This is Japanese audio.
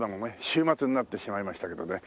週末になってしまいましたけどね。